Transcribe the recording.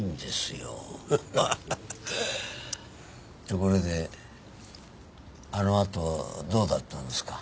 ところであのあとどうだったんですか？